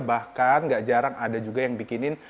bahkan gak jarang ada juga yang bikinin